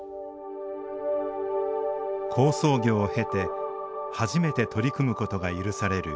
好相行を経て初めて取り組むことが許される